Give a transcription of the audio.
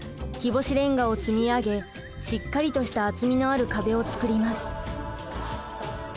日干しレンガを積み上げしっかりとした厚みのある壁を作ります。